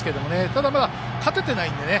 ただ、勝ててないのでね。